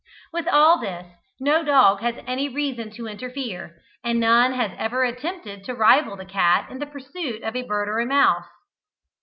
With all this no dog has any reason to interfere, and none has ever attempted to rival the cat in the pursuit of bird or mouse.